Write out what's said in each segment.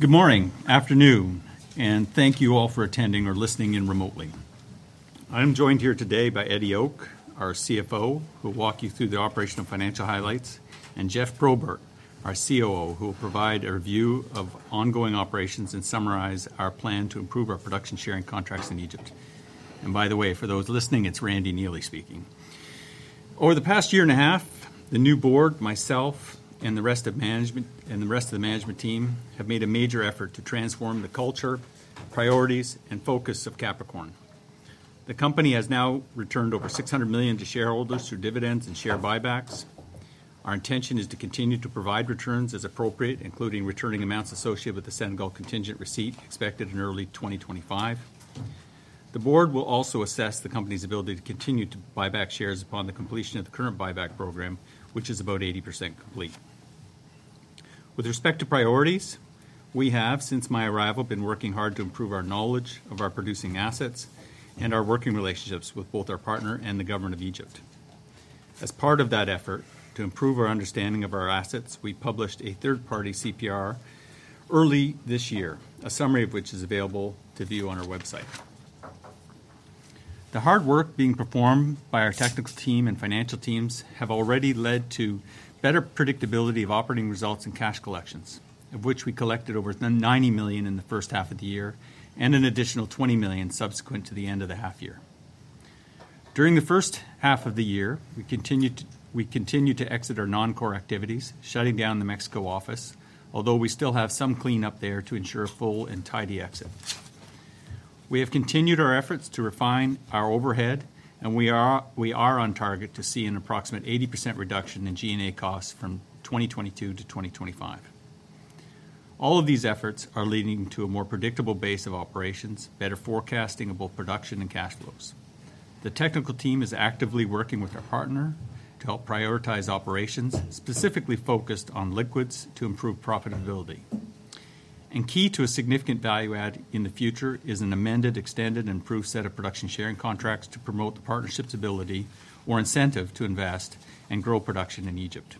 Good morning, afternoon, and thank you all for attending or listening in remotely. I'm joined here today by Eddie Ok, our CFO, who will walk you through the operational financial highlights, and Geoff Probert, our COO, who will provide a review of ongoing operations and summarize our plan to improve our production sharing contracts in Egypt. And by the way, for those listening, it's Randy Neely speaking. Over the past year and a half, the new board, myself, and the rest of management, and the rest of the management team, have made a major effort to transform the culture, priorities, and focus of Capricorn. The company has now returned over $600 million to shareholders through dividends and share buybacks. Our intention is to continue to provide returns as appropriate, including returning amounts associated with the Senegal contingent receipt expected in early 2025. The board will also assess the company's ability to continue to buy back shares upon the completion of the current buyback program, which is about 80% complete. With respect to priorities, we have, since my arrival, been working hard to improve our knowledge of our producing assets and our working relationships with both our partner and the government of Egypt. As part of that effort to improve our understanding of our assets, we published a third-party CPR early this year, a summary of which is available to view on our website. The hard work being performed by our technical team and financial teams have already led to better predictability of operating results and cash collections, of which we collected over $90 million in the first half of the year and an additional $20 million subsequent to the end of the half year. During the first half of the year, we continued to exit our non-core activities, shutting down the Mexico office, although we still have some cleanup there to ensure a full and tidy exit. We have continued our efforts to refine our overhead, and we are on target to see an approximate 80% reduction in G&A costs from 2022 to 2025. All of these efforts are leading to a more predictable base of operations, better forecasting of both production and cash flows. The technical team is actively working with our partner to help prioritize operations, specifically focused on liquids to improve profitability. Key to a significant value add in the future is an amended, extended, improved set of production sharing contracts to promote the partnership's ability or incentive to invest and grow production in Egypt.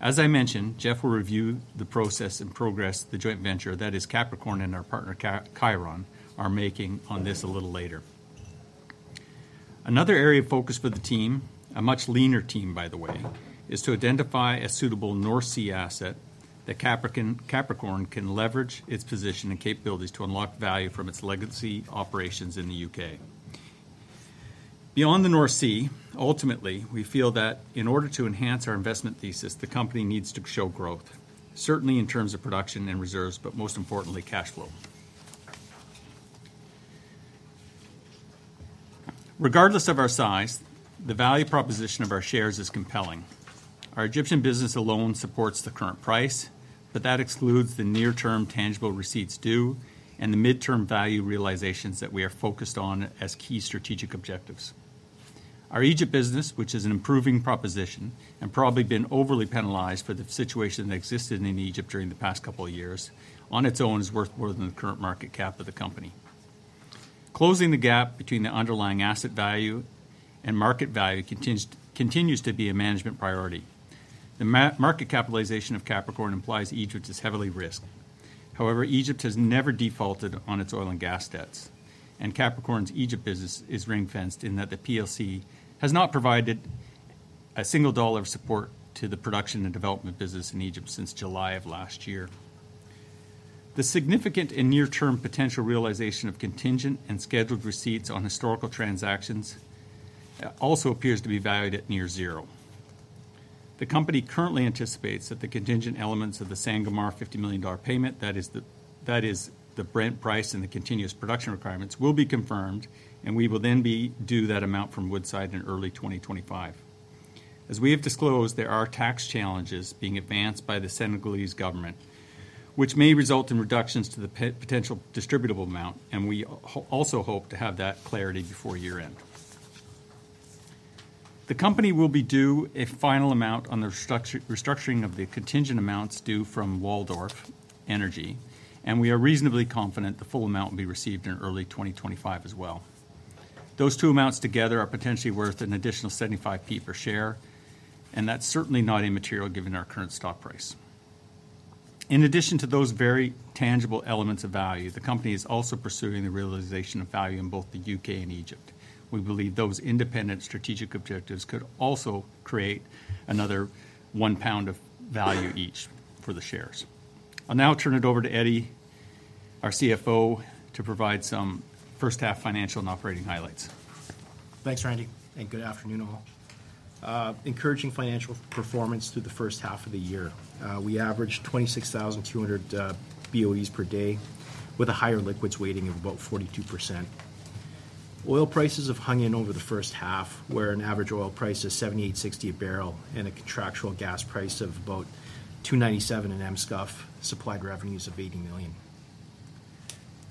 As I mentioned, Geoff will review the process and progress the joint venture, that is, Capricorn and our partner Cheiron, are making on this a little later. Another area of focus for the team, a much leaner team, by the way, is to identify a suitable North Sea asset that Capricorn can leverage its position and capabilities to unlock value from its legacy operations in the U.K. Beyond the North Sea, ultimately, we feel that in order to enhance our investment thesis, the company needs to show growth, certainly in terms of production and reserves, but most importantly, cash flow. Regardless of our size, the value proposition of our shares is compelling. Our Egyptian business alone supports the current price, but that excludes the near-term tangible receipts due and the midterm value realizations that we are focused on as key strategic objectives. Our Egypt business, which is an improving proposition and probably been overly penalized for the situation that existed in Egypt during the past couple of years, on its own, is worth more than the current market cap of the company. Closing the gap between the underlying asset value and market value continues to be a management priority. The market capitalization of Capricorn implies Egypt is heavily risked. However, Egypt has never defaulted on its oil and gas debts, and Capricorn's Egypt business is ring-fenced in that the PLC has not provided a single dollar of support to the production and development business in Egypt since July of last year. The significant and near-term potential realization of contingent and scheduled receipts on historical transactions also appears to be valued at near zero. The company currently anticipates that the contingent elements of the Sangomar $50 million payment, that is the Brent price and the continuous production requirements, will be confirmed, and we will then be due that amount from Woodside in early 2025. As we have disclosed, there are tax challenges being advanced by the Senegalese government, which may result in reductions to the potential distributable amount, and we also hope to have that clarity before year-end. The company will be due a final amount on the restructuring of the contingent amounts due from Waldorf Energy, and we are reasonably confident the full amount will be received in early 2025 as well. Those two amounts together are potentially worth an additional 75p per share, and that's certainly not immaterial given our current stock price. In addition to those very tangible elements of value, the company is also pursuing the realization of value in both the U.K. and Egypt. We believe those independent strategic objectives could also create another 1 pound of value each for the shares. I'll now turn it over to Eddie, our CFO, to provide some first-half financial and operating highlights. Thanks, Randy, and good afternoon, all. Encouraging financial performance through the first half of the year. We averaged 26,200 BOEs per day with a higher liquids weighting of about 42%. Oil prices have hung in over the first half, where an average oil price is $78.60 a barrel and a contractual gas price of about $2.97 per MSCF, supplied revenues of $80 million.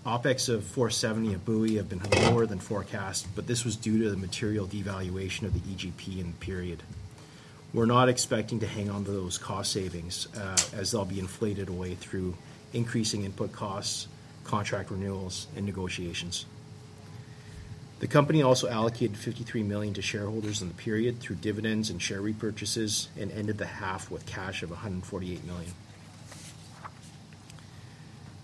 OpEx of $4.70 a BOE have been higher than forecast, but this was due to the material devaluation of the EGP in the period. We're not expecting to hang on to those cost savings, as they'll be inflated away through increasing input costs, contract renewals, and negotiations. The company also allocated $53 million to shareholders in the period through dividends and share repurchases, and ended the half with cash of $148 million.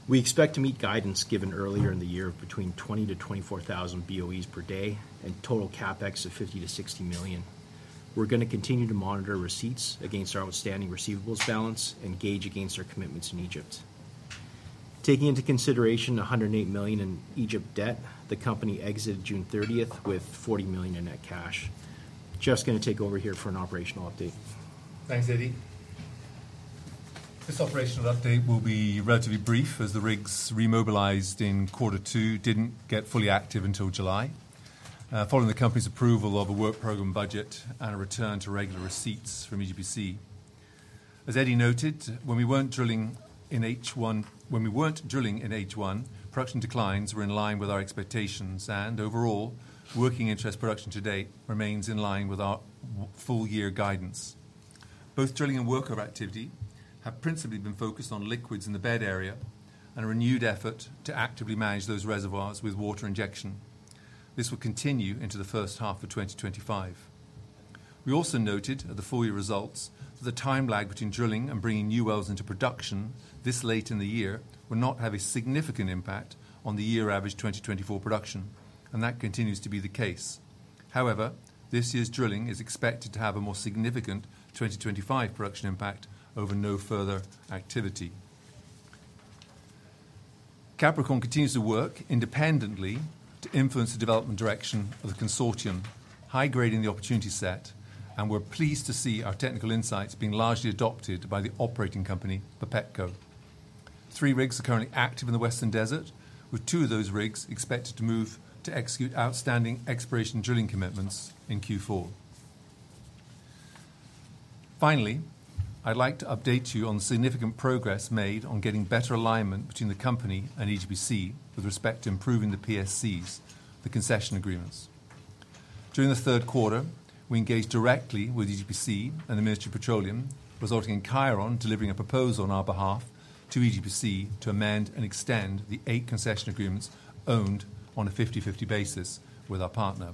We expect to meet guidance given earlier in the year of between 20,000 to 24,000 BOEs per day and total CapEx of $50 to $60 million. We're gonna continue to monitor receipts against our outstanding receivables balance and gauge against our commitments in Egypt. Taking into consideration $108 million in Egypt debt, the company exited June 30th with $40 million in net cash. Geoff's gonna take over here for an operational update. Thanks, Eddie. This operational update will be relatively brief, as the rigs remobilized in quarter two didn't get fully active until July. Following the company's approval of a work program budget and a return to regular receipts from EGPC. As Eddie noted, when we weren't drilling in H1, production declines were in line with our expectations, and overall, working interest production to date remains in line with our full-year guidance. Both drilling and workover activity have principally been focused on liquids in the BED Area and a renewed effort to actively manage those reservoirs with water injection. This will continue into the first half of 2025. We also noted at the full year results, that the time lag between drilling and bringing new wells into production this late in the year, will not have a significant impact on the year average 2024 production, and that continues to be the case. However, this year's drilling is expected to have a more significant 2025 production impact over no further activity. Capricorn continues to work independently to influence the development direction of the consortium, high-grading the opportunity set, and we're pleased to see our technical insights being largely adopted by the operating company, Bapetco. Three rigs are currently active in the Western Desert, with two of those rigs expected to move to execute outstanding exploration drilling commitments in Q4. Finally, I'd like to update you on the significant progress made on getting better alignment between the company and EGPC with respect to improving the PSCs, the concession agreements. During the third quarter, we engaged directly with EGPC and the Ministry of Petroleum, resulting in Cheiron delivering a proposal on our behalf to EGPC to amend and extend the eight concession agreements owned on a fifty-fifty basis with our partner.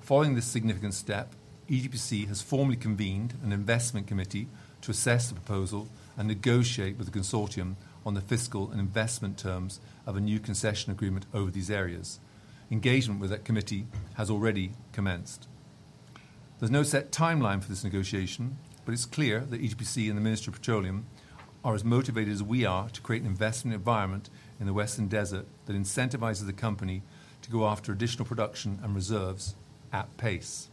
Following this significant step, EGPC has formally convened an investment committee to assess the proposal and negotiate with the consortium on the fiscal and investment terms of a new concession agreement over these areas. Engagement with that committee has already commenced. There's no set timeline for this negotiation, but it's clear that EGPC and the Ministry of Petroleum are as motivated as we are to create an investment environment in the Western Desert that incentivizes the company to go after additional production and reserves at pace.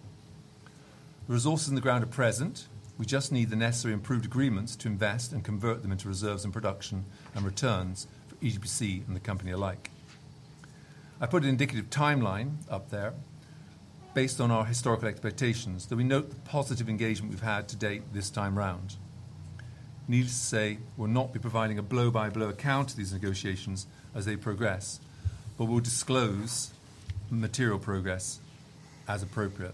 The resources in the ground are present. We just need the necessary improved agreements to invest and convert them into reserves and production and returns for EGPC and the company alike. I put an indicative timeline up there based on our historical expectations, though we note the positive engagement we've had to date this time round. Needless to say, we'll not be providing a blow-by-blow account to these negotiations as they progress, but we'll disclose material progress as appropriate.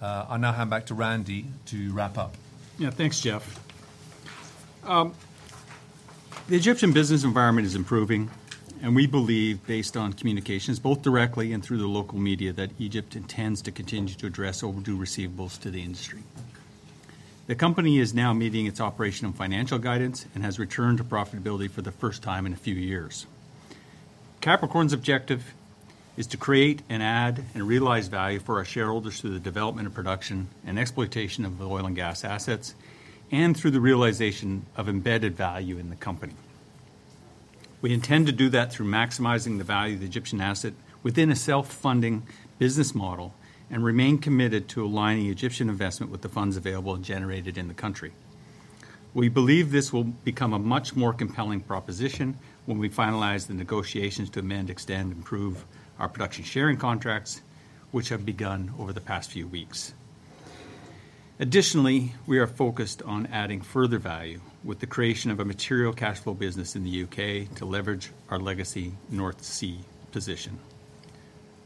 I'll now hand back to Randy to wrap up. Yeah. Thanks, Geoff. The Egyptian business environment is improving, and we believe, based on communications, both directly and through the local media, that Egypt intends to continue to address overdue receivables to the industry. The company is now meeting its operational and financial guidance and has returned to profitability for the first time in a few years. Capricorn's objective is to create and add and realize value for our shareholders through the development and production and exploitation of the oil and gas assets, and through the realization of embedded value in the company. We intend to do that through maximizing the value of the Egyptian asset within a self-funding business model, and remain committed to aligning Egyptian investment with the funds available and generated in the country. We believe this will become a much more compelling proposition when we finalize the negotiations to amend, extend, and improve our production sharing contracts, which have begun over the past few weeks. Additionally, we are focused on adding further value with the creation of a material cash flow business in the U.K. to leverage our legacy North Sea position.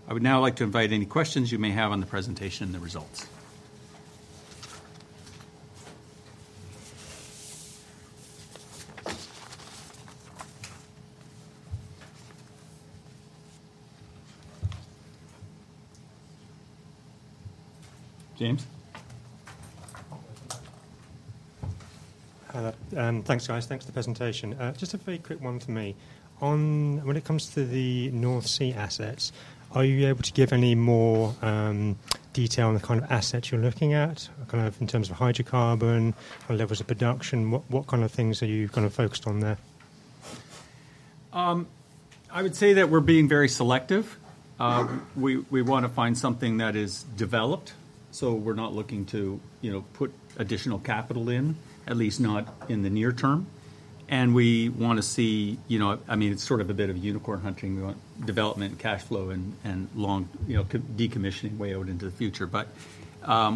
I would now like to invite any questions you may have on the presentation and the results. James? Thanks, guys. Thanks for the presentation. Just a very quick one from me. On when it comes to the North Sea assets, are you able to give any more detail on the kind of assets you're looking at, kind of in terms of hydrocarbon or levels of production? What kind of things are you kind of focused on there? I would say that we're being very selective. We wanna find something that is developed, so we're not looking to, you know, put additional capital in, at least not in the near term. And we wanna see, you know... I mean, it's sort of a bit of unicorn hunting. We want development, cash flow, and long, you know, decommissioning way out into the future. But,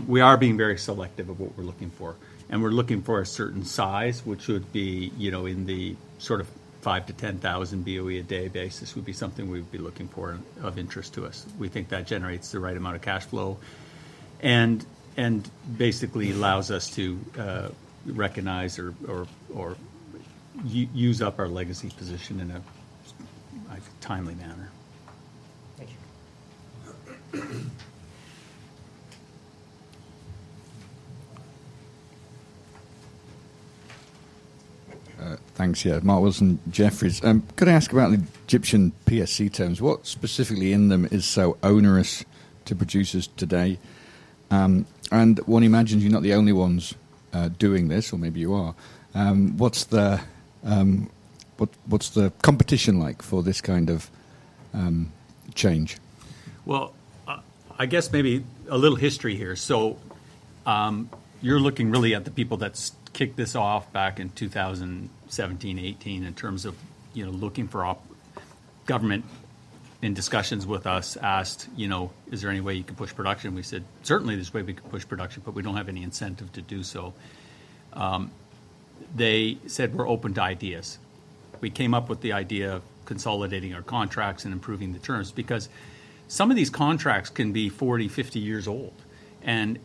we are being very selective of what we're looking for. And we're looking for a certain size, which would be, you know, in the sort of five to 10,000 BOE a day basis, would be something we'd be looking for and of interest to us. We think that generates the right amount of cash flow and basically allows us to, recognize or use up our legacy position in a timely manner. Thank you. Thanks. Yeah, Mark Wilson, Jefferies. Could I ask about the Egyptian PSC terms? What specifically in them is so onerous to producers today, and one imagines you're not the only ones doing this, or maybe you are. What's the competition like for this kind of change? I guess maybe a little history here. So, you're looking really at the people that kicked this off back in 2017, 2018, in terms of, you know, looking for the Government, in discussions with us, asked, you know, "Is there any way you can push production?" We said: "Certainly, there's a way we can push production, but we don't have any incentive to do so." They said, "We're open to ideas." We came up with the idea of consolidating our contracts and improving the terms, because some of these contracts can be 40, 50 years old, and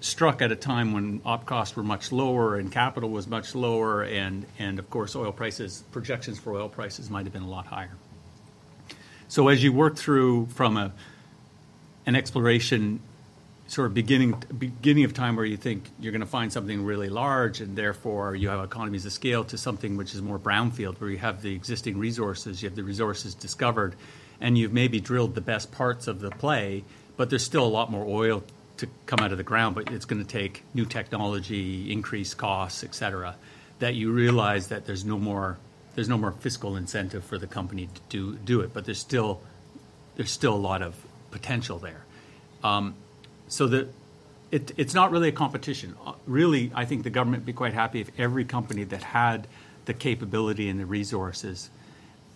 struck at a time when OpEx costs were much lower and capital was much lower, and, of course, oil prices projections for oil prices might have been a lot higher. So as you work through from an exploration, sort of, beginning of time, where you think you're gonna find something really large, and therefore, you have economies of scale, to something which is more brownfield, where you have the existing resources, you have the resources discovered, and you've maybe drilled the best parts of the play, but there's still a lot more oil to come out of the ground, but it's gonna take new technology, increased costs, et cetera, that you realize that there's no more fiscal incentive for the company to do it, but there's still a lot of potential there. So it's not really a competition. Really, I think the government would be quite happy if every company that had the capability and the resources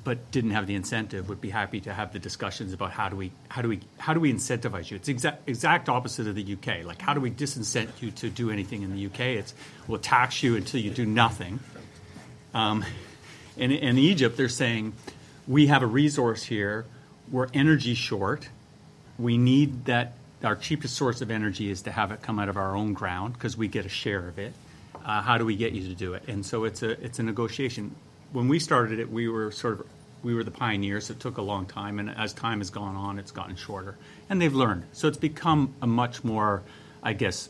but didn't have the incentive would be happy to have the discussions about how do we incentivize you? It's exact opposite of the U.K. Like, how do we disincent you to do anything in the U.K.? It's we'll tax you until you do nothing. And in Egypt, they're saying, "We have a resource here. We're energy short. We need that. Our cheapest source of energy is to have it come out of our own ground, 'cause we get a share of it. How do we get you to do it?" And so it's a negotiation. When we started it, we were sort of—we were the pioneers. It took a long time, and as time has gone on, it's gotten shorter, and they've learned. So it's become a much more, I guess,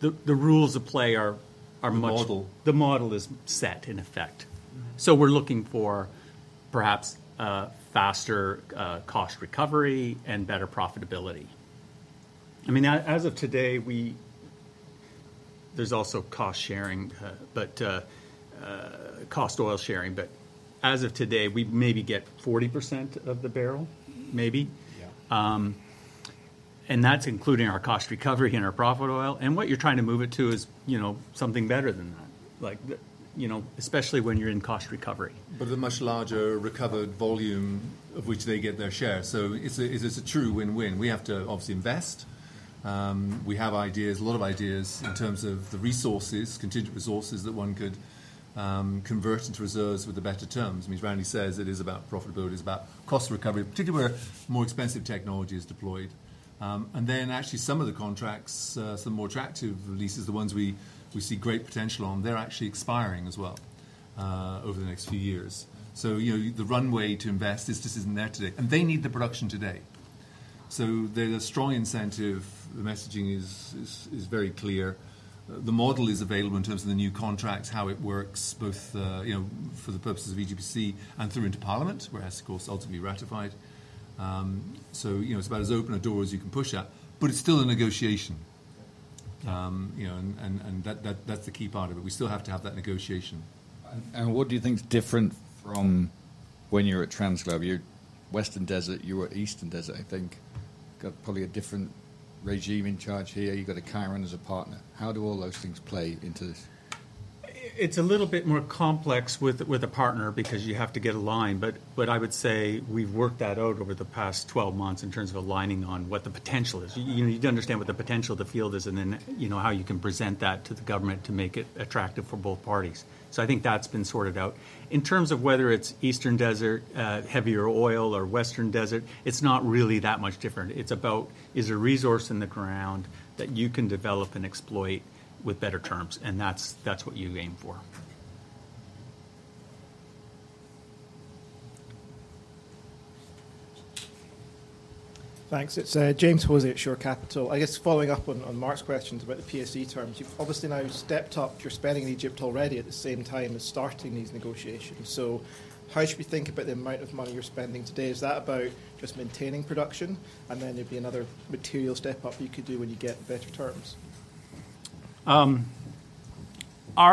the rules of play are much— The model. The model is set, in effect. So we're looking for perhaps faster cost recovery and better profitability. I mean, as of today, we—there's also cost sharing, but cost oil sharing, but as of today, we maybe get 40% of the barrel, maybe. Yeah. And that's including our cost recovery and our profit oil, and what you're trying to move it to is, you know, something better than that, like, you know, especially when you're in cost recovery. But a much larger recovered volume of which they get their share, so it's a true win-win. We have to obviously invest. We have ideas, a lot of ideas in terms of the resources, contingent resources, that one could convert into reserves with the better terms. I mean, as Randy says, it is about profitability, it's about cost recovery, particularly where more expensive technology is deployed, and then actually some of the contracts, some more attractive leases, the ones we see great potential on, they're actually expiring as well, over the next few years. So, you know, the runway to invest is just isn't there today, and they need the production today, so there's a strong incentive. The messaging is very clear. The model is available in terms of the new contracts, how it works, both you know for the purposes of EGPC and through into Parliament, where it has, of course, ultimately ratified. So, you know, it's about as open a door as you can push at, but it's still a negotiation. You know, and that that's the key part of it. We still have to have that negotiation. And what do you think is different from when you were at TransGlobe? You're Western Desert, you were Eastern Desert, I think. Got probably a different regime in charge here. You've got Cheiron as a partner. How do all those things play into this? It's a little bit more complex with a partner because you have to get aligned, but I would say we've worked that out over the past twelve months in terms of aligning on what the potential is. You need to understand what the potential of the field is, and then, you know, how you can present that to the government to make it attractive for both parties. So I think that's been sorted out. In terms of whether it's Eastern Desert, heavier oil or Western Desert, it's not really that much different. It's about, is there resource in the ground that you can develop and exploit with better terms, and that's what you aim for. Thanks. It's James Hosey at Shore Capital. I guess following up on Mark's questions about the PSC terms, you've obviously now stepped up your spending in Egypt already at the same time as starting these negotiations. So how should we think about the amount of money you're spending today? Is that about just maintaining production, and then there'd be another material step-up you could do when you get better terms? Our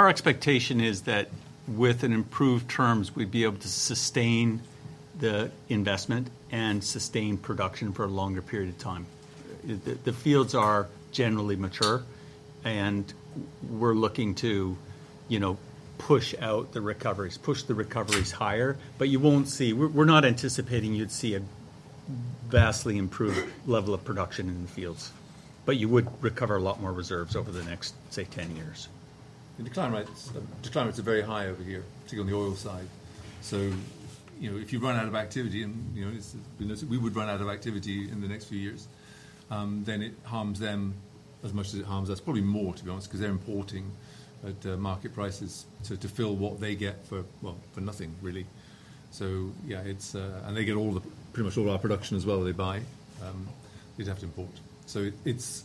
expectation is that with an improved terms, we'd be able to sustain the investment and sustain production for a longer period of time. The fields are generally mature, and we're looking to, you know, push out the recoveries, push the recoveries higher. But you won't see... We're not anticipating you'd see a vastly improved level of production in the fields, but you would recover a lot more reserves over the next, say, ten years. The decline rates are very high over here, particularly on the oil side. So, you know, if you run out of activity, and, you know, it's, you know, we would run out of activity in the next few years, then it harms them as much as it harms us. Probably more, to be honest, 'cause they're importing at market prices to fill what they get for, well, for nothing, really. Yeah, it's. And they get pretty much all our production as well, they buy. They'd have to import. So it's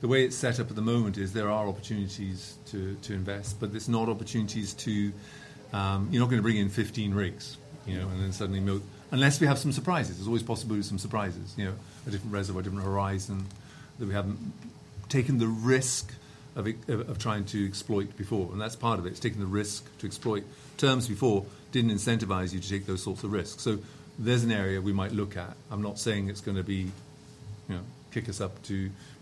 the way it's set up at the moment is there are opportunities to invest, but there's not opportunities to. You're not gonna bring in 15 rigs, you know, and then suddenly unless we have some surprises. There's always possibility of some surprises, you know, a different reservoir, different horizon, that we haven't taken the risk of trying to exploit before, and that's part of it. It's taking the risk to exploit. Terms before didn't incentivize you to take those sorts of risks. So there's an area we might look at. I'm not saying it's gonna be, you know, kick us up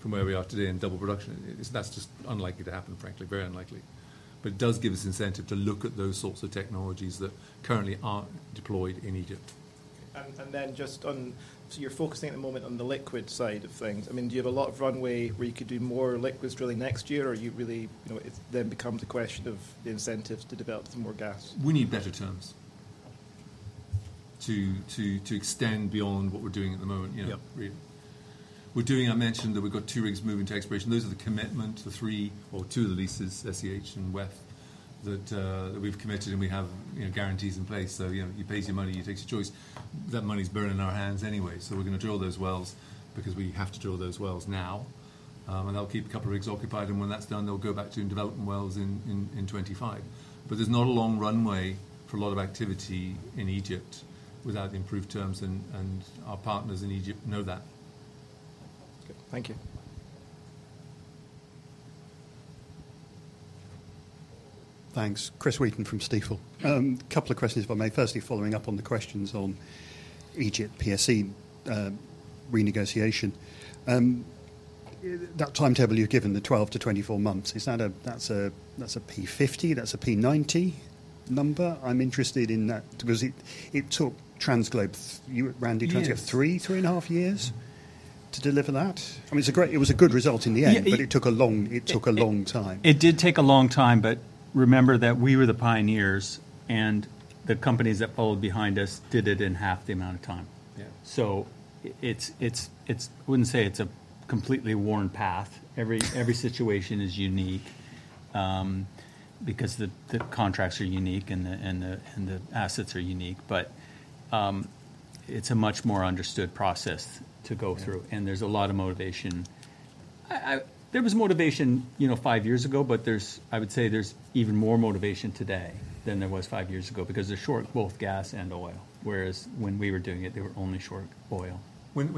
from where we are today and double production. It's. That's just unlikely to happen, frankly. Very unlikely. But it does give us incentive to look at those sorts of technologies that currently aren't deployed in Egypt. And then, just on... So you're focusing at the moment on the liquid side of things. I mean, do you have a lot of runway where you could do more liquids drilling next year, or are you really, you know, it then becomes a question of the incentives to develop some more gas? We need better terms to extend beyond what we're doing at the moment, you know. Yep. We're doing. I mentioned that we've got two rigs moving to exploration. Those are the commitment, the three or two of the leases, SEH and WEH, that we've committed, and we have, you know, guarantees in place. So, you know, you pays your money, you takes your choice. That money's burning in our hands anyway, so we're gonna drill those wells because we have to drill those wells now. And that'll keep a couple of rigs occupied, and when that's done, they'll go back to developing wells in 2025. There's not a long runway for a lot of activity in Egypt without the improved terms, and our partners in Egypt know that. Okay, thank you. Thanks. Chris Wheaton from Stifel. Couple of questions, if I may. Firstly, following up on the questions on Egypt PSC renegotiation. That timetable you've given, the 12 to 24 months, is that a P50, a P90 number? I'm interested in that because it took TransGlobe, you and Randy— Yes Two, three and a half years to deliver that? I mean, it's a great - it was a good result in the end— Yeah, it— but it took a long, it took a long time. It did take a long time, but remember that we were the pioneers, and the companies that followed behind us did it in half the amount of time. Yeah. So it's. I wouldn't say it's a completely worn path. Every situation is unique because the contracts are unique, and the assets are unique. But it's a much more understood process to go through— Yeah... and there's a lot of motivation. I... There was motivation, you know, five years ago, but there's. I would say there's even more motivation today than there was five years ago because they're short both gas and oil, whereas when we were doing it, they were only short oil. When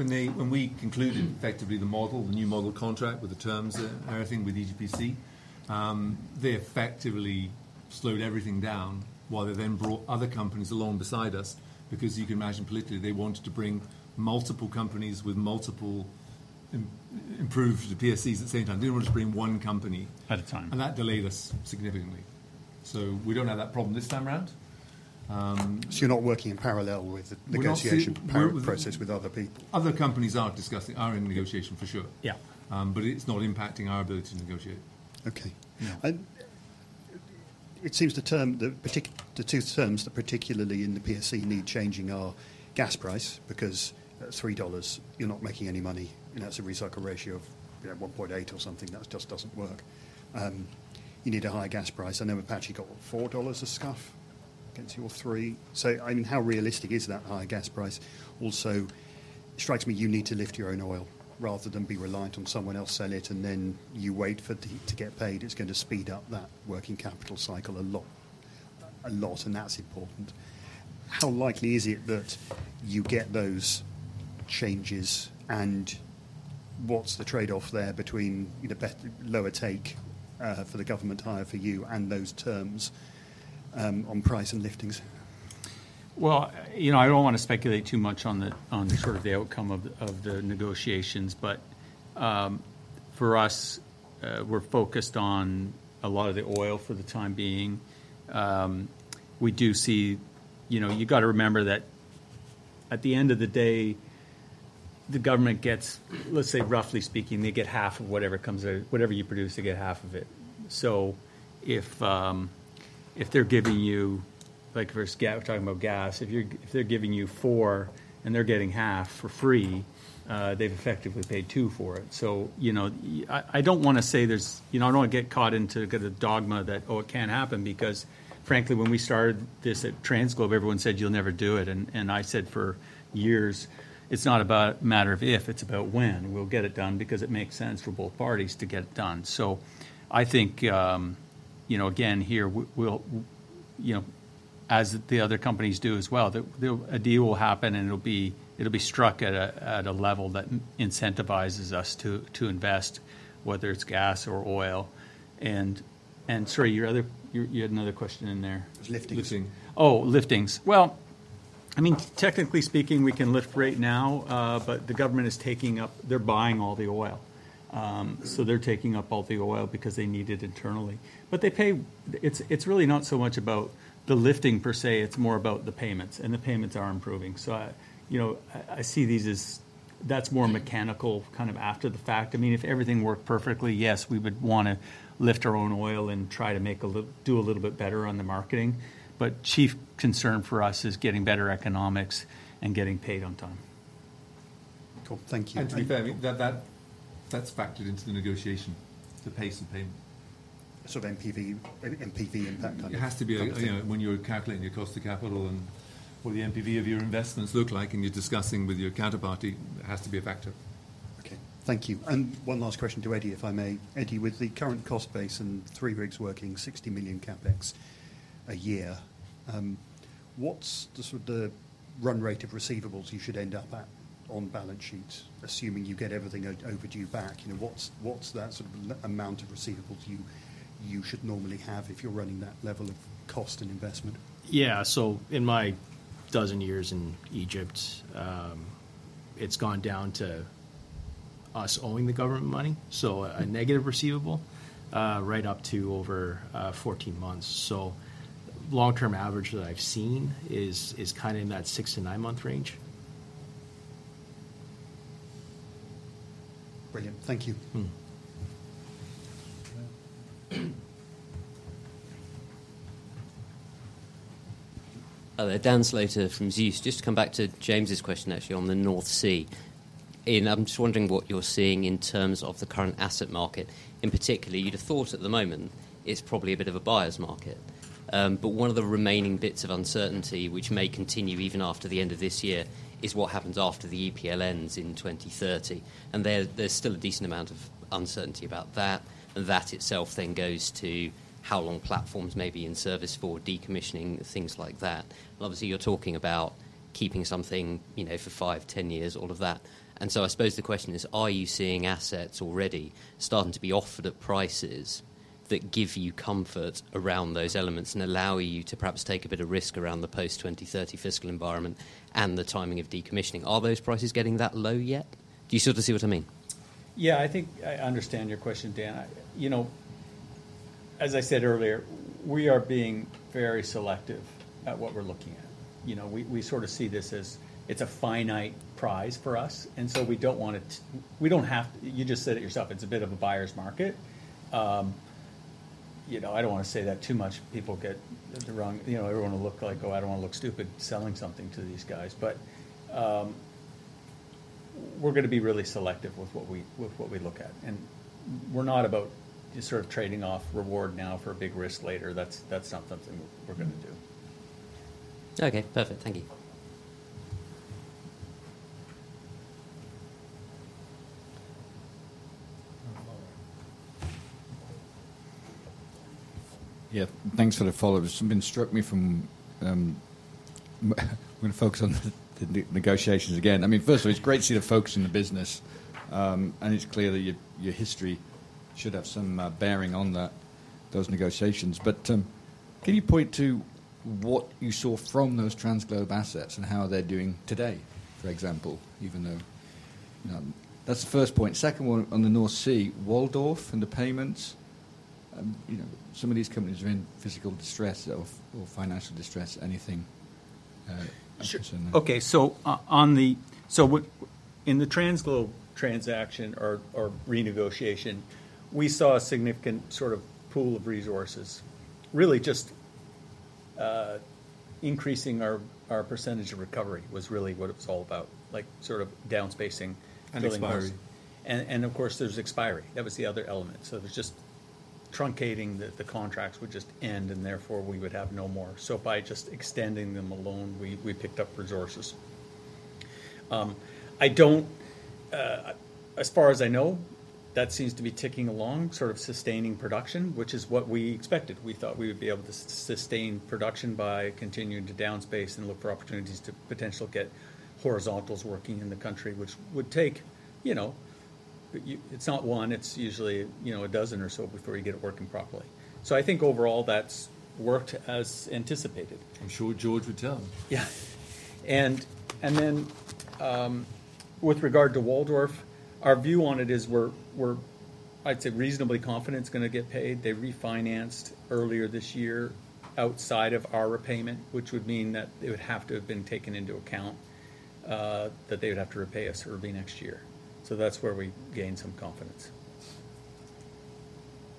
we concluded effectively the model, the new model contract with the terms and everything with EGPC, they effectively slowed everything down while they then brought other companies along beside us. Because you can imagine politically, they wanted to bring multiple companies with multiple improved PSCs at the same time. They didn't want to just bring one company— At a time. And that delayed us significantly. So we don't have that problem this time around. So, you're not working in parallel with the— We're not see— negotiation process with other people? Other companies are discussing, are in negotiation, for sure. Yeah. But it's not impacting our ability to negotiate. Okay. Yeah. It seems the two terms that particularly in the PSC need changing are gas price, because at $3, you're not making any money, and that's a recycle ratio of, you know, 1.8 or something. That just doesn't work. You need a higher gas price. I know Apache got what? $4 a MSCF against your $3. So, I mean, how realistic is that higher gas price? Also, it strikes me you need to lift your own oil rather than be reliant on someone else sell it, and then you wait for the to get paid. It's going to speed up that working capital cycle a lot, a lot, and that's important. How likely is it that you get those changes, and what's the trade-off there between, you know, lower take for the government, higher for you, and those terms on price and liftings? Well, you know, I don't want to speculate too much on the sort of outcome of the negotiations, but for us, we're focused on a lot of the oil for the time being. We do see. You know, you've got to remember that at the end of the day, the government gets, let's say, roughly speaking, they get half of whatever comes out. Whatever you produce, they get half of it. So if they're giving you, like, for gas, we're talking about gas, if they're giving you four and they're getting half for free, they've effectively paid two for it. So, you know, I don't want to say there's... You know, I don't want to get caught into the dogma that, "Oh, it can't happen," because frankly, when we started this at TransGlobe, everyone said, "You'll never do it." And I said, for years, "It's not about a matter of if, it's about when. We'll get it done because it makes sense for both parties to get it done." So I think, you know, again, here, we'll, you know, as the other companies do as well, a deal will happen, and it'll be, it'll be struck at a level that incentivizes us to invest, whether it's gas or oil. And sorry, your other... You had another question in there. Liftings. Lifting. Oh, liftings. Well, I mean, technically speaking, we can lift right now, but the government is taking up... They're buying all the oil. So they're taking up all the oil because they need it internally. But they pay... It's, it's really not so much about the lifting per se. It's more about the payments, and the payments are improving. So I, you know, I, I see these as that's more mechanical, kind of after the fact. I mean, if everything worked perfectly, yes, we would wanna lift our own oil and try to do a little bit better on the marketing. But chief concern for us is getting better economics and getting paid on time.... Cool. Thank you. To be fair, that that's factored into the negotiation, the pace of payment. Sort of NPV, an NPV impact on it? It has to be, you know, when you're calculating your cost of capital and what the NPV of your investments look like, and you're discussing with your counterparty, it has to be a factor. Okay, thank you. And one last question to Eddie, if I may. Eddie, with the current cost base and three rigs working, $60 million CapEx a year, what's the sort of the run rate of receivables you should end up at on balance sheet, assuming you get everything overdue back? You know, what's that sort of amount of receivables you should normally have if you're running that level of cost and investment? Yeah. So in my dozen years in Egypt, it's gone down to us owing the government money, so a negative receivable, right up to over 14 months. So long-term average that I've seen is kinda in that six-to-nine-month range. Brilliant. Thank you. Hello, Dan Slater from Zeus. Just to come back to James's question, actually, on the North Sea. Ian, I'm just wondering what you're seeing in terms of the current asset market. In particular, you'd have thought at the moment, it's probably a bit of a buyer's market. But one of the remaining bits of uncertainty, which may continue even after the end of this year, is what happens after the EPL ends in 2030. And there, there's still a decent amount of uncertainty about that, and that itself then goes to how long platforms may be in service for decommissioning, things like that. And obviously, you're talking about keeping something, you know, for five, ten years, all of that. And so I suppose the question is: Are you seeing assets already starting to be offered at prices that give you comfort around those elements and allow you to perhaps take a bit of risk around the post-2030 fiscal environment and the timing of decommissioning? Are those prices getting that low yet? Do you sort of see what I mean? Yeah, I think I understand your question, Dan. You know, as I said earlier, we are being very selective at what we're looking at. You know, we sort of see this as it's a finite prize for us, and so we don't want it. We don't have to. You just said it yourself: it's a bit of a buyer's market. You know, I don't wanna say that too much. People get the wrong. You know, everyone will look like, "Oh, I don't wanna look stupid selling something to these guys." But, we're gonna be really selective with what we look at, and we're not about just sort of trading off reward now for a big risk later. That's not something we're gonna do. Okay, perfect. Thank you. Uh, hello. Yeah, thanks for the follow-up. Something struck me from, I'm gonna focus on the negotiations again. I mean, firstly, it's great to see the focus in the business, and it's clear that your history should have some bearing on those negotiations. But, can you point to what you saw from those TransGlobe assets and how they're doing today, for example, even though... That's the first point. Second one, on the North Sea, Waldorf and the payments, you know, some of these companies are in physical distress or financial distress. Anything concerning that? Sure. Okay, so on the... So what—in the TransGlobe transaction or renegotiation, we saw a significant sort of pool of resources. Really, just increasing our percentage of recovery was really what it was all about, like, sort of downspacing and— And expiry. Of course, there's expiry. That was the other element. So there's just truncating the contracts would just end, and therefore, we would have no more. So by just extending them alone, we picked up resources. As far as I know, that seems to be ticking along, sort of sustaining production, which is what we expected. We thought we would be able to sustain production by continuing to downspace and look for opportunities to potentially get horizontals working in the country, which would take, you know, it's not one, it's usually, you know, a dozen or so before you get it working properly. So I think overall, that's worked as anticipated. I'm sure George would tell me. Yeah. And then, with regard to Waldorf, our view on it is we're, I'd say, reasonably confident it's gonna get paid. They refinanced earlier this year outside of our repayment, which would mean that it would have to have been taken into account, that they would have to repay us early next year. So that's where we gained some confidence.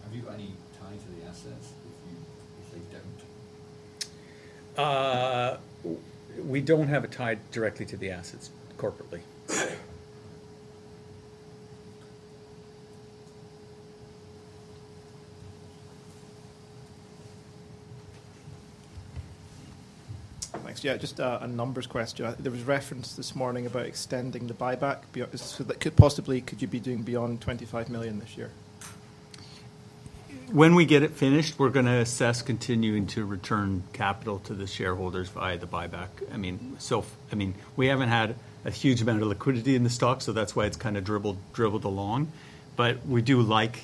Have you got any tie to the assets if they don't? We don't have a tie directly to the assets corporately. Thanks. Yeah, just a numbers question. There was reference this morning about extending the buyback beyond, so that could possibly, could you be doing beyond 25 million this year? When we get it finished, we're gonna assess continuing to return capital to the shareholders via the buyback. I mean, we haven't had a huge amount of liquidity in the stock, so that's why it's kind of dribbled along. But we do like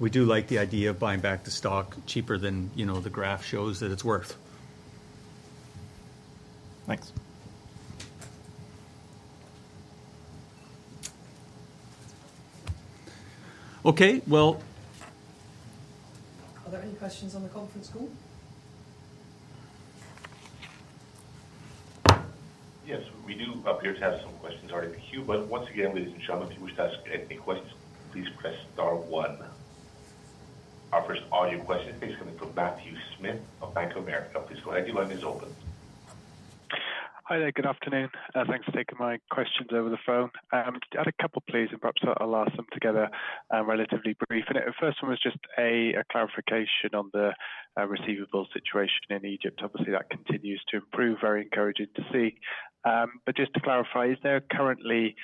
the idea of buying back the stock cheaper than, you know, the graph shows that it's worth. Thanks. Okay, well... Are there any questions on the conference call? Yes, we do appear to have some questions already in the queue, but once again, ladies and gentlemen, if you wish to ask any questions, please press star one.... Our first audio question is going to be from Matthew Smith of Bank of America. Please go ahead, your line is open. Hi there, good afternoon. Thanks for taking my questions over the phone. I had a couple please, and perhaps I'll ask them together, relatively brief. And the first one was just a clarification on the receivable situation in Egypt. Obviously, that continues to improve, very encouraging to see. But just to clarify, is there currently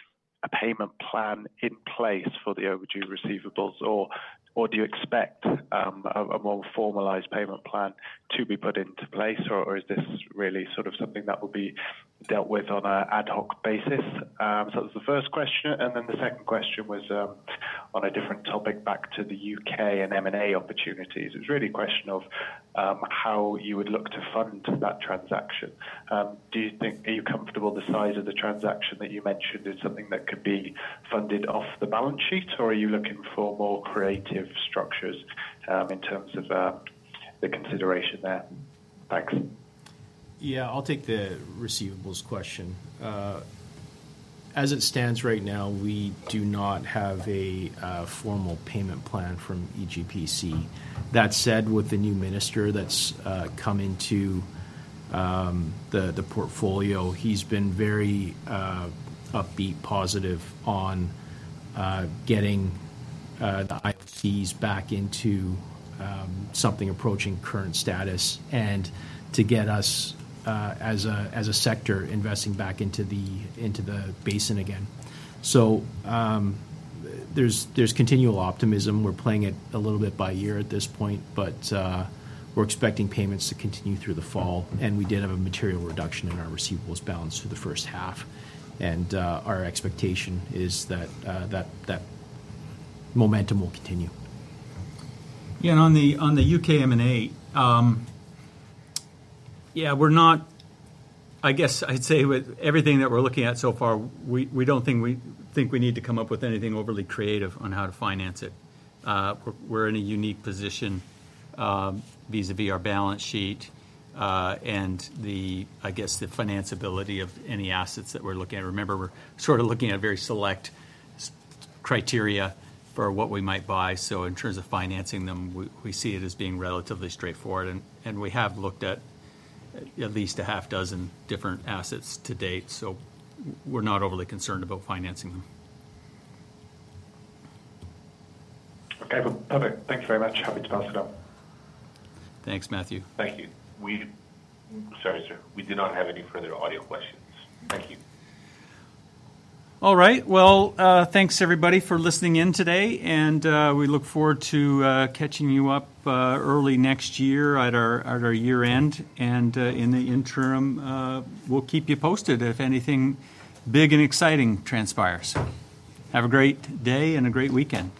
a payment plan in place for the overdue receivables? Or do you expect a more formalized payment plan to be put into place, or is this really sort of something that will be dealt with on an ad hoc basis? So that's the first question. And then the second question was on a different topic back to the U.K. and M&A opportunities. It's really a question of how you would look to fund that transaction. Are you comfortable with the size of the transaction that you mentioned is something that could be funded off the balance sheet? Or are you looking for more creative structures in terms of the consideration there? Thanks. Yeah, I'll take the receivables question. As it stands right now, we do not have a formal payment plan from EGPC. That said, with the new minister that's come into the portfolio, he's been very upbeat, positive on getting the IOCs back into something approaching current status and to get us as a sector investing back into the basin again. So there's continual optimism. We're playing it a little bit by ear at this point, but we're expecting payments to continue through the fall, and we did have a material reduction in our receivables balance for the first half, and our expectation is that that momentum will continue. Yeah, and on the U.K. M&A, yeah, we're not. I guess I'd say with everything that we're looking at so far, we don't think we need to come up with anything overly creative on how to finance it. We're in a unique position vis-à-vis our balance sheet, and the, I guess, the financability of any assets that we're looking at. Remember, we're sort of looking at a very select criteria for what we might buy. So in terms of financing them, we see it as being relatively straightforward, and we have looked at at least six different assets to date, so we're not overly concerned about financing them. Okay, perfect. Thank you very much. Happy to pass it on. Thanks, Matthew. Thank you. Sorry, sir. We do not have any further audio questions. Thank you. All right. Well, thanks, everybody, for listening in today, and we look forward to catching you up early next year at our year-end. And in the interim, we'll keep you posted if anything big and exciting transpires. Have a great day and a great weekend.